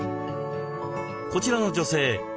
こちらの女性